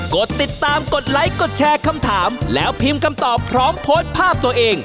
กดติดตามกดไลค์กดแชร์คำถามแล้วพิมพ์คำตอบพร้อมโพสต์ภาพตัวเอง